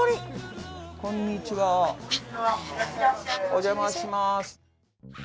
お邪魔します。